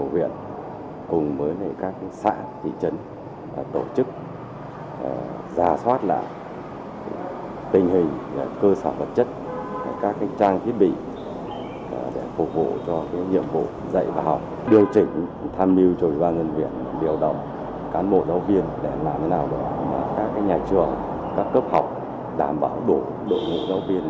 để làm thế nào đó các nhà trường các cấp học đảm bảo đủ đội ngũ giáo viên để phục vụ cho nhiều người